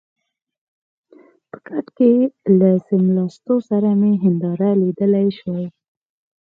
په کټ کې له څملاستو سره مې هنداره لیدلای شوای.